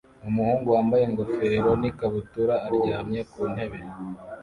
Umuhungu wambaye ingofero n'ikabutura aryamye ku ntebe